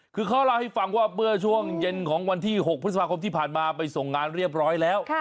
คือเขาเล่าให้ฟังว่าเมื่อช่วงเย็นของวันที่๖พฤษภาคมที่ผ่านมาไปส่งงานเรียบร้อยแล้ว